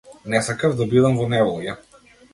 Не сакав да бидам во неволја.